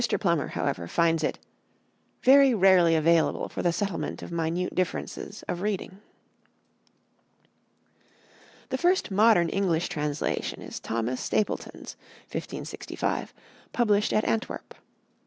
Plummer, however, finds it "very rarely available for the settlement of minute differences of reading." The first modern English translation is Thomas Stapleton's (1565), published at Antwerp.